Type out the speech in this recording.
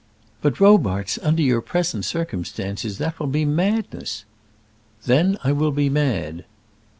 "But, Robarts, under your present circumstances that will be madness." "Then I will be mad."